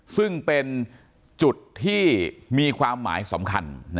ซึ่งเป็นจุดที่มีความหมายสำคัญ